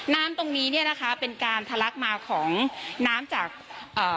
น้ำตรงนี้เนี้ยนะคะเป็นการทะลักมาของน้ำจากเอ่อ